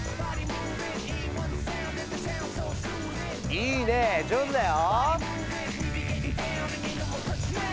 いいね上手だよ。